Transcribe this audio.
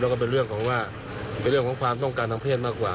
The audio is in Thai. แล้วก็เป็นเรื่องของว่าเป็นเรื่องของความต้องการทางเพศมากกว่า